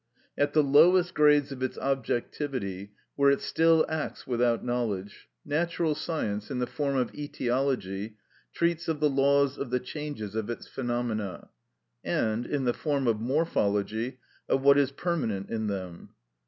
At the lowest grades of its objectivity, where it still acts without knowledge, natural science, in the form of etiology, treats of the laws of the changes of its phenomena, and, in the form of morphology, of what is permanent in them.